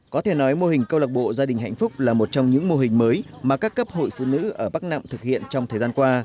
có thể nói mô hình câu lạc bộ gia đình hạnh phúc là một trong những mô hình mới mà các cấp hội phụ nữ ở bắc nạm thực hiện trong thời gian qua